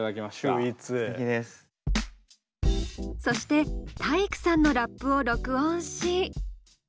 そして体育さんのラップを録音し。